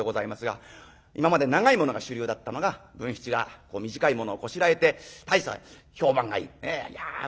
今まで長いものが主流だったのが文七が短いものをこしらえて大層評判がいい。